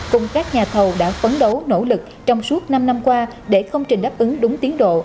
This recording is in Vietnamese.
cùng các nhà thầu đã phấn đấu nỗ lực trong suốt năm năm qua để công trình đáp ứng đúng tiến độ